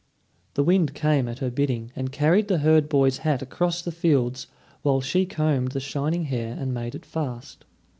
The wind came at her bidding, and carried the herd boy's hat across the fields; while she combed the shining hair and made it fast.